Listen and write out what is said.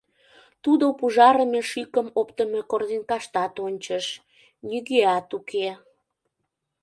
Тудо пужарыме шӱкым оптымо корзинкаштат ончыш — нигӧат уке...